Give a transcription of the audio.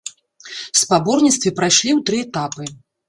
Спаборніцтвы прайшлі ў тры этапы.